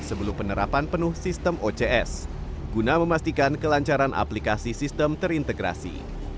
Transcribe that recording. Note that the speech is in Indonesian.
sebelum penerapan penuh sistem ocs guna memastikan kelancaran aplikasi sistem terintegrasi